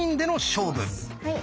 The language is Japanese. はい。